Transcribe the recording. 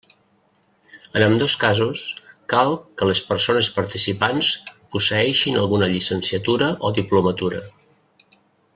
En ambdós casos cal que les persones participants posseeixin alguna llicenciatura o diplomatura.